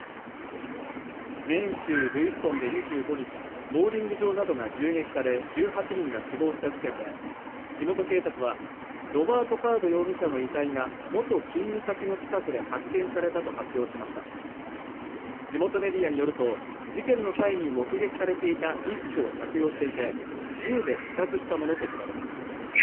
メーン州ルイストンで２５日ボウリング場などが銃撃され１８人が死亡した事件で地元警察はロバート・カード容疑者の遺体が元勤務先の近くで発見されたと発表しました地元メディアによると事件の際に目撃されていた衣服を着用していて銃で自殺したものと見られます